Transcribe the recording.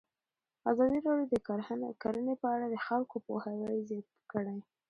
ازادي راډیو د کرهنه په اړه د خلکو پوهاوی زیات کړی.